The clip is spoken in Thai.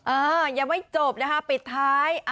เออยังไม่จบนะคะปิดท้าย